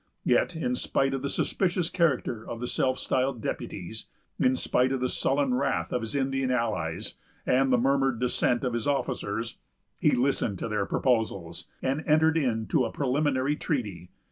Yet, in spite of the suspicious character of the self styled deputies, in spite of the sullen wrath of his Indian allies, and the murmured dissent of his officers, he listened to their proposals, and entered into a preliminary treaty.